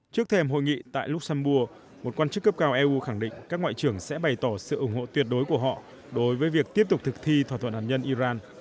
trước thêm hội nghị tại luxembourg một quan chức cấp cao eu khẳng định các ngoại trưởng sẽ bày tỏ sự ủng hộ tuyệt đối của họ đối với việc tiếp tục thực thi thỏa thuận hạt nhân iran